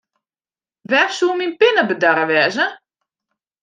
Wêr soe myn pinne bedarre wêze?